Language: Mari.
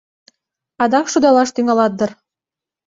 Адак шудалаш тӱҥалат дыр?..